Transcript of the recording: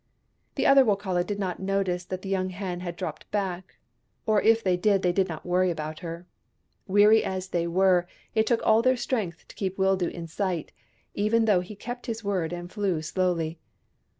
" The other Wokala did not notice that the young hen had dropped back — or if they did they did not worry about her. Weary as they were, it took all their strength to keep Wildoo in sight, even though he kept his word and flew slowly.